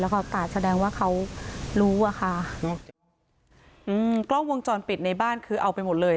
แล้วก็แต่แสดงว่าเขารู้อะค่ะอืมกล้องวงจรปิดในบ้านคือเอาไปหมดเลย